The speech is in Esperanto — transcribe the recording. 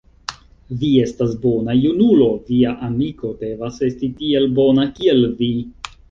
Vi estas bona junulo; via amiko devas esti tiel bona, kiel vi.